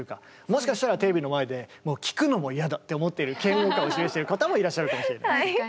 もしかしたらテレビの前でもう聴くのも嫌だって思っている嫌悪感を示している方もいらっしゃるかもしれない。